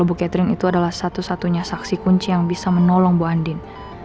bu catherine itu adalah satu satunya saksi kunci yang bisa menolong bu andin